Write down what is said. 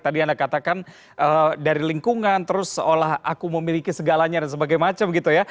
tadi anda katakan dari lingkungan terus seolah aku memiliki segalanya dan sebagainya gitu ya